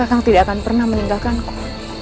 kang tidak akan pernah meninggalkanku